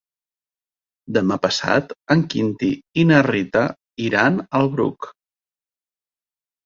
Demà passat en Quintí i na Rita iran al Bruc.